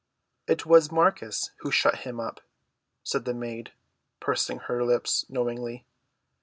"It was Marcus who shut him up," said the maid, pursing up her lips knowingly.